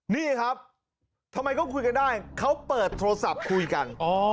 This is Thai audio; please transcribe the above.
นี่ครับทำไมเขาคุยกันได้เขาเปิดโทรศัพท์คุยกัน